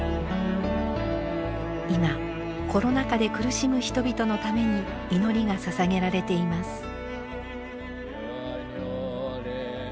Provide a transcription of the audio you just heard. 今コロナ禍で苦しむ人々のために祈りがささげられています。